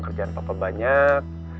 kerjaan papa banyak